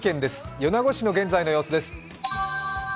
米子市の現在の様子です。